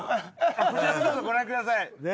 こちらもどうぞご覧ください。